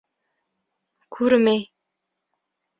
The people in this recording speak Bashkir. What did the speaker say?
— Күрмәй.